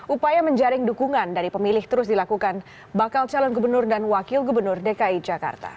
upaya menjaring dukungan dari pemilih terus dilakukan bakal calon gubernur dan wakil gubernur dki jakarta